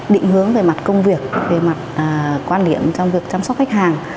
định hướng về mặt công việc về mặt quan điểm trong việc chăm sóc khách hàng